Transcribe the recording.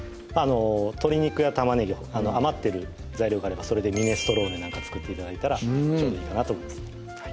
鶏肉や玉ねぎ余ってる材料があればそれでミネストローネなんか作って頂いたら非常にいいかなと思います